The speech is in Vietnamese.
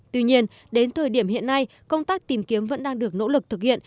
tuy nhiên đến thời điểm hiện nay công tác tìm kiếm vẫn đang được nỗ lực thực hiện